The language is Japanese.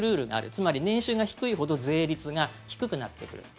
つまり、年収が低いほど税率が低くなってくる。